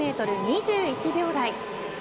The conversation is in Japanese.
２１秒台。